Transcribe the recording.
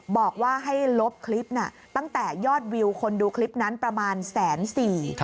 บอกว่าให้ลบคลิปน่ะตั้งแต่ยอดวิวคนดูคลิปนั้นประมาณแสนสี่